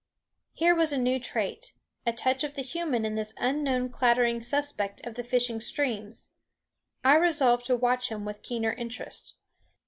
Here was a new trait, a touch of the human in this unknown, clattering suspect of the fishing streams. I resolved to watch him with keener interest.